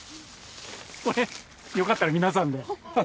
これよかったら皆さんで。